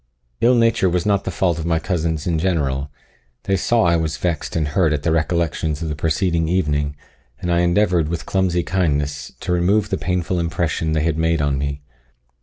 Ill nature was not the fault of my cousins in general; they saw I was vexed and hurt at the recollections of the preceding evening, and endeavoured, with clumsy kindness, to remove the painful impression they had made on me.